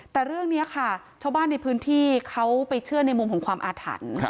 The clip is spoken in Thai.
แต่เรื่องนี้ค่ะชาวบ้านในพื้นที่เขาไปเชื่อในมุมของความอาถรรพ์